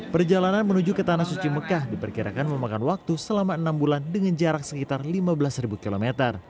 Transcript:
perjalanan menuju ke tanah suci mekah diperkirakan memakan waktu selama enam bulan dengan jarak sekitar lima belas km